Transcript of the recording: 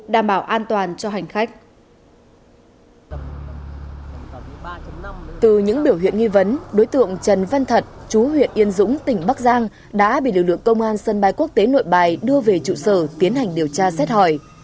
đối tượng trần văn thật chú huyện yên dũng tỉnh bắc giang đã bị lực lượng công an sân bay quốc tế nội bài đưa về trụ sở tiến hành điều tra xét hỏi